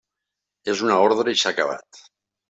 És una ordre i s'ha acabat.